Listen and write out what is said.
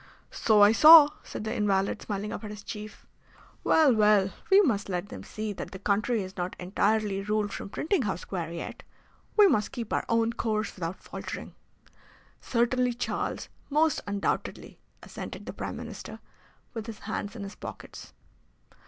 "So I saw," said the invalid, smiling up at his chief. "Well, well, we must let them see that the country is not entirely ruled from Printing House Square yet. We must keep our own course without faltering." "Certainly, Charles, most undoubtedly," assented the Prime Minister, with his hands in his pockets.